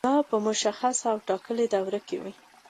دا په مشخصه او ټاکلې دوره کې وي.